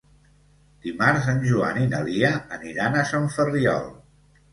Dimarts en Joan i na Lia aniran a Sant Ferriol.